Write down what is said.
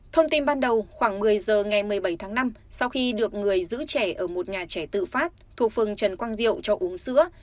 thông tin ban đầu khoảng một mươi giờ ngày một mươi bảy tháng năm sau khi được người giữ trẻ ở một nhà trẻ tự phát thuộc phường trần quang diệu cho uống sữa